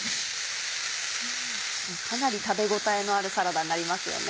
かなり食べ応えのあるサラダになりますよね。